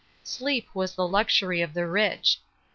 Slrep was the luxury of the rich.